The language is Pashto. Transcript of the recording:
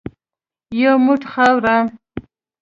یو موټ خاوره .